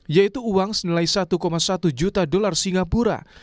yaitu uang senilai satu satu juta dolar singapura